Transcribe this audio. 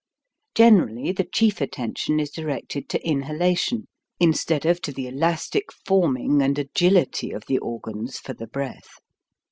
Generally the chief attention is directed to inhalation, instead of to the elastic forming and agility of the organs for the breath.